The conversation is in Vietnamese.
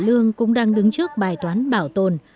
lương cũng đang đứng trước bài toán bảo tồn